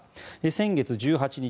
先月１８日